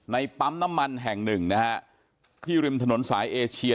ปั๊มน้ำมันแห่งหนึ่งนะฮะที่ริมถนนสายเอเชีย